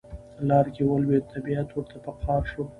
لار کې ولوید طبیعت ورته په قار شو.